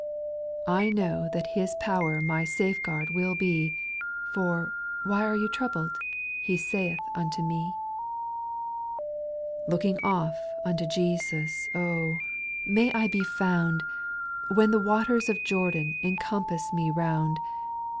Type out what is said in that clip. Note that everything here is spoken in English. I know that His power My safe guard will be, For " why are ye troubled V* He saith unto me. 6. Looking off unto Jesus Oh I may I be found, When the waters of Jordan Encompass me round